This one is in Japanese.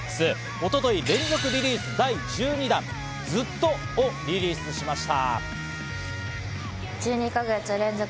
一昨日、連続リリース第１２弾『ＺＵＴＴＯ』をリリースしました。